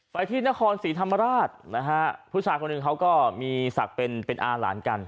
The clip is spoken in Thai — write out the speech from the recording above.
ไปที่นครศรีธรรมราชนะฮะผู้ชายคนหนึ่งเขาก็มีศักดิ์เป็นเป็นอาหลานกัน